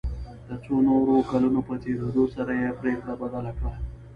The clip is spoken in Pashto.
د څو نورو کلونو په تېرېدو سره یې پريکړه بدله کړه.